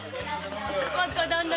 若旦那